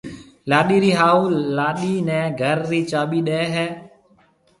لاڏيِ رِي هاهوُ لاڏيِ نَي گھر رِي چاٻِي ڏَي هيَ۔